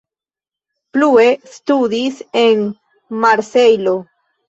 Plue studis en Marsejlo.